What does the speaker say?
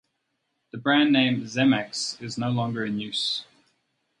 The brand name "Zemmix" is no longer in use.